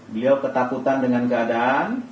beliau ketakutan dengan keadaan